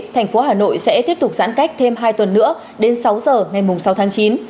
tp hcm sẽ tiếp tục giãn cách thêm hai tuần nữa đến sáu giờ ngày sáu tháng chín